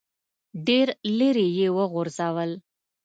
ډېر لیرې یې وغورځول.